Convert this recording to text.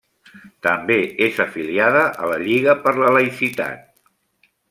També és afiliada a la Lliga per la Laïcitat.